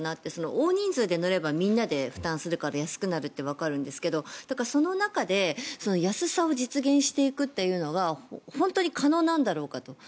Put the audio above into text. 大人数で乗ればみんなで負担するから安くなるってわかるんですけどその中で安さを実現するのって本当に可能なんだろうかと。